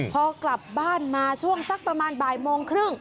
พอกลับบ้านมาช่วงสักประมาณบ่ายโมงครึ่ง